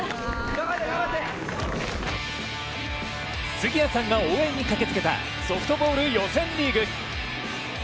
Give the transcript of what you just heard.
杉谷さんが応援に駆けつけたソフトボール予選リーグ。